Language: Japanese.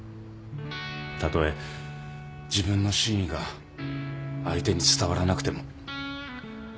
たとえ自分の真意が相手に伝わらなくても。